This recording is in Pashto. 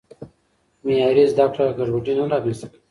معیاري زده کړه ګډوډي نه رامنځته کوي.